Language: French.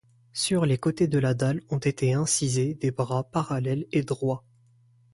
Sur les côtés de la dalle ont été incisés des bras parallèles et droits.